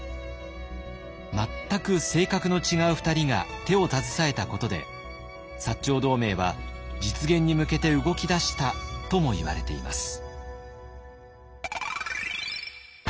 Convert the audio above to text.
全く性格の違う２人が手を携えたことで長同盟は実現に向けて動き出したともいわれています。